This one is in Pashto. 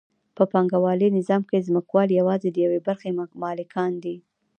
په پانګوالي نظام کې ځمکوال یوازې د یوې برخې مالکان دي